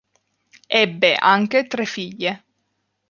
Ebbe anche tre figlie.